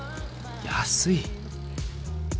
安い。